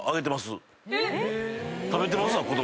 食べてますわ子供。